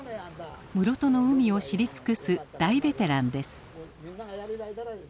室戸の海を知り尽くす大ベテランです。